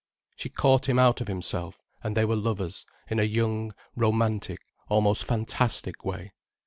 She caught him out of himself, and they were lovers, in a young, romantic, almost fantastic way.